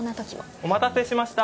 お待たせしました！